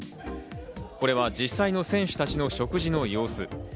これは実際の選手たちの食事の様子。